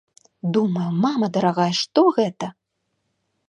Думаю, мама дарагая, што гэта?!